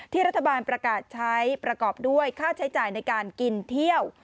รัฐบาลประกาศใช้ประกอบด้วยค่าใช้จ่ายในการกินเที่ยว